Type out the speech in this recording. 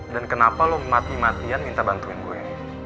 dan kenapa lo mati matian minta bantuin gue